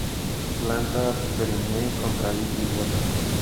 Planta perenne, con raíz bulbosa.